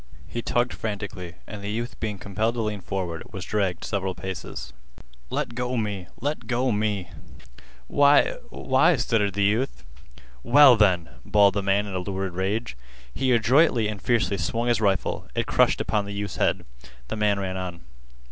He tugged frantically, and the youth being compelled to lean forward was dragged several paces. "Let go me! Let go me!" "Why—why—" stuttered the youth. "Well, then!" bawled the man in a lurid rage. He adroitly and fiercely swung his rifle. It crushed upon the youth's head. The man ran on.